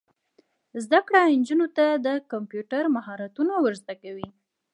زده کړه نجونو ته د کمپیوټر مهارتونه ور زده کوي.